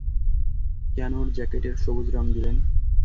কেন ওর জ্যাকেটে সবুজ রং দিলেন?